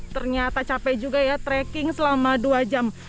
ternyata cape juga ya trekking selama dua jam